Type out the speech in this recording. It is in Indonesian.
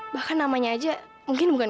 bahkan namanya aja mungkin bukan